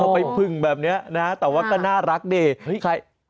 อ๋อไปพึ่งแบบนี้นะแต่ว่าก็น่ารักเนี่ย